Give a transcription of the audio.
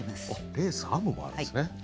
「レース編む」もあるんですね。